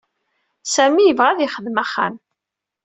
Sami yebɣa ad yexdem axxam.